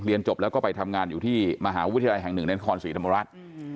เรียนจบแล้วก็ไปทำงานอยู่ที่มหาวิทยาลัยแห่ง๑แนนคอนศ์ศรีธรรมรัฐ